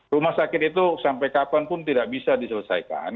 rumah sakit itu sampai kapan pun tidak bisa diselesaikan